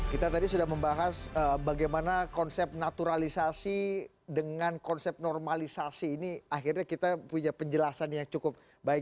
kita tadi sudah membahas bagaimana konsep naturalisasi dengan konsep normalisasi ini akhirnya kita punya penjelasan yang cukup baik